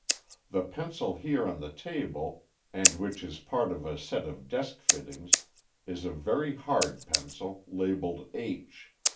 The pencil here on the table, and which is part of a set of desk fittings, is a very hard pencil, labeled H.